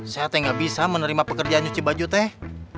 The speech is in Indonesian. saya tak bisa menerima pekerjaan cuci baju teh